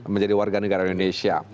menjadi warga negara indonesia